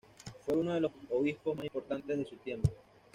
Fue uno de los obispos más importantes de su tiempo.